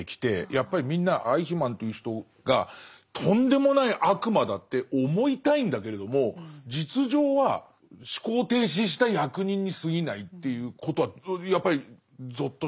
やっぱりみんなアイヒマンという人がとんでもない悪魔だって思いたいんだけれども実情は思考停止した役人にすぎないっていうことはやっぱりぞっとしましたね。